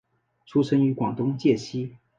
出生于广东揭西。